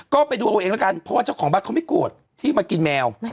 ก็ไปดูเอาเองแล้วกันเพราะว่าเจ้าของบ้านเขาไม่โกรธที่มากินแมว